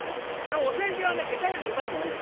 お世辞は下手よりうまいほうがいいですよ。